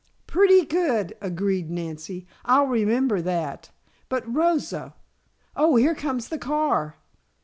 "Pretty good!" agreed Nancy. "I'll remember that. But Rosa oh, here comes the car!"